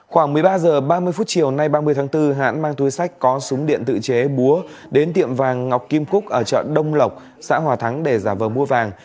khoảng một mươi ba h ba mươi phút chiều nay ba mươi tháng bốn hãn mang túi sách có súng điện tự chế búa đến tiệm vàng ngọc kim cúc ở chợ đông lộc xã hòa thắng để giả vờ mua vàng